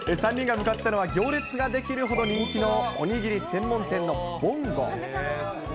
３人が向かったのは、行列が出来るほど人気のおにぎり専門店のぼんご。